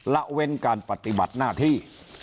ละเว้นการปฏิบัติหน้าที่